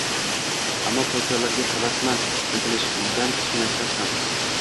Ammo podshohlarga havasmand intilishimdan kichkinasidan ham